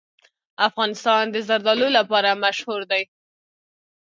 افغانستان د زردالو لپاره مشهور دی.